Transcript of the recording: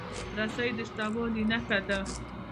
رسۍ د شته والي نښه ده.